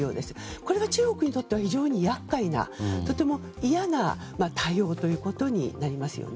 これは、中国にとっては非常に厄介なとても嫌な対応となりますよね。